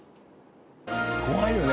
怖いよね